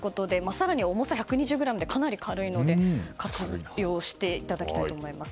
更に、重さ１２０ｇとかなり軽いので活用していただきたいと思います。